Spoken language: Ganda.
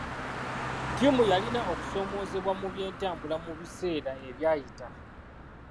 Ttiimu yalina okusoomoozebwa mu byentambula mu biseera ebyayita.